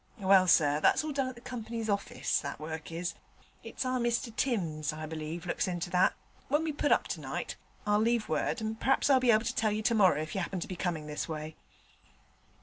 'Well, sir, that's all done at the Company's orfice, that work is: it's our Mr Timms, I believe, looks into that. When we put up tonight I'll leave word, and per'aps I'll be able to tell you tomorrer if you 'appen to be coming this way.'